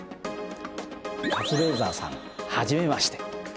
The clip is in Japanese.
カズレーザーさん初めまして。